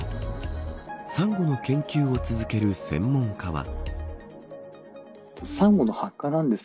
サンゴの研究を続ける専門家は。